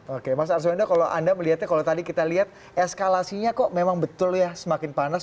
oke mas arswendo kalau anda melihatnya kalau tadi kita lihat eskalasinya kok memang betul ya semakin panas